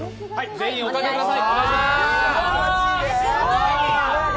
全員、おかけください。